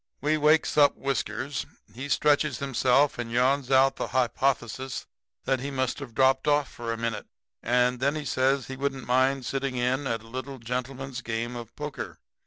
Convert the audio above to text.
"We wakes up Whiskers. He stretches himself and yawns out the hypothesis that he must have dropped off for a minute. And then he says he wouldn't mind sitting in at a little gentleman's game of poker.